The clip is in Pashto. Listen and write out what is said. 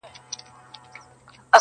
د زلمیو د مستۍ اتڼ پر زور سو!.